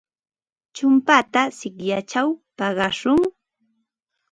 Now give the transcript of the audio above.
Chumpata sikyachaw paqashun.